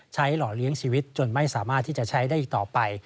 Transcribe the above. หล่อเลี้ยงชีวิตจนไม่สามารถที่จะใช้ได้อีกต่อไป